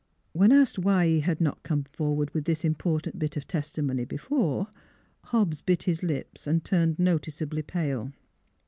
When asked why he had not come forward with this important bit of testimony before, Hobbs bit his lip and turned noticeably pale.